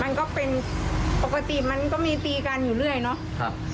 มันก็เป็นปกติมันก็มีตีกันอยู่เรื่อยเนาะ